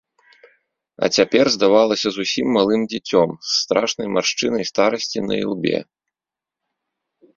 А цяпер здавалася зусім малым дзіцем, з страшнай маршчынай старасці на ілбе.